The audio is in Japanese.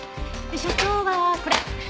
所長はこれ。